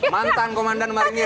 mantan komandan marinir